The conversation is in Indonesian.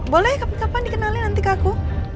boleh kapan kapan dikenalin nanti ke aku